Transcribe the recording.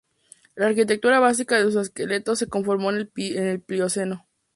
La arquitectura básica de sus esqueletos se conformó en el Plioceno.